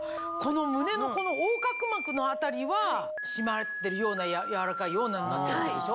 胸のこの横隔膜の辺りは締まってるような柔らかいようなになってるわけでしょ？